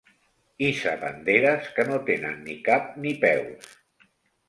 Hissa banderes que no tenen ni cap ni peus.